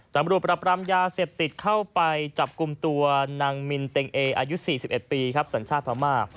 ตำรวจปรับรามยาเสพติดเข้าไปจับกลุ่มตัวนางมินเต็งเออายุ๔๑ปีครับสัญชาติพม่า